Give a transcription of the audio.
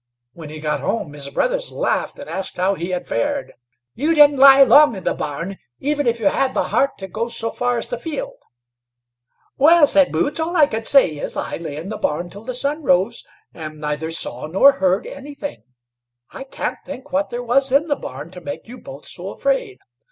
When he got home, his brothers laughed and asked how he had fared? "You didn't lie long in the barn, even if you had the heart to go so far as the field." "Well," said Boots, "all I can say is, I lay in the barn till the sun rose, and neither saw nor heard anything; I can't think what there was in the barn to make you both so afraid."